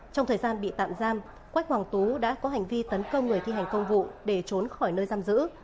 trong thời gian bị tạm giam quách hoàng tú đã có hành vi tấn công người thi hành công vụ để trốn khỏi nơi giam giữ